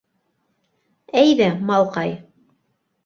- Әйҙә, малҡай...